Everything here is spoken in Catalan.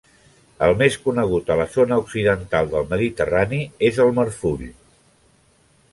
El més conegut a la zona occidental del mediterrani és el marfull.